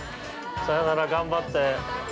さよなら頑張って。